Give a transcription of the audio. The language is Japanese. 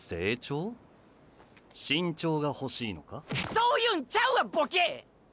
そういうんちゃうわボケ！！